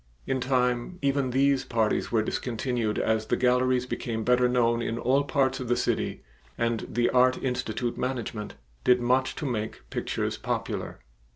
In time even these parties were discontinued as the galleries became better known in all parts of the city and the Art Institute management did much to make pictures popular.